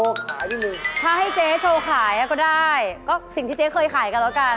เราให้เจ๊มาขายสิดีกว่าโอเค